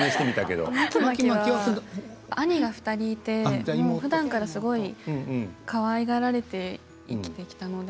兄が２人いてふだんからすごいかわいいがられて生きてきたので。